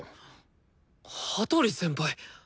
羽鳥先輩！